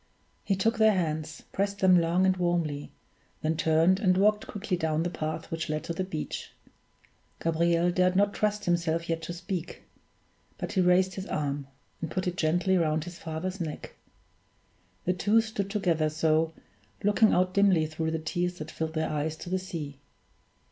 He took their hands, pressed them long and warmly, then turned and walked quickly down the path which led to the beach. Gabriel dared not trust himself yet to speak; but he raised his arm, and put it gently round his father's neck. The two stood together so, looking out dimly through the tears that filled their eyes to the sea.